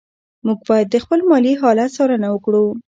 موږ باید د خپل مالي حالت څارنه وکړو.